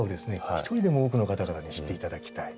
１人でも多くの方々に知って頂きたい。